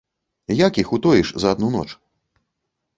Як іх утоіш за адну ноч?